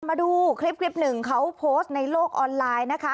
มาดูคลิปหนึ่งเขาโพสต์ในโลกออนไลน์นะคะ